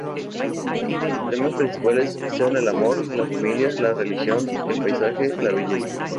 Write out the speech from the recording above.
Los temas principales son el amor, la familia, la religión, el paisaje, la belleza...